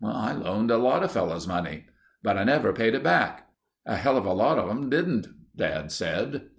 "I loaned a lotta fellows money." "But I never paid it back." "A helluva lot of 'em didn't," Dad said.